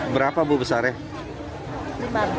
berapa bu besarnya